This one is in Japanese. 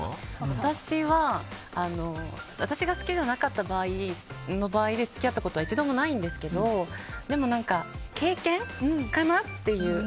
私は私が好きじゃなかった場合で付き合ったことは一度もないんですけどでも経験かなっていう。